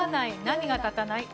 何が立たない？」。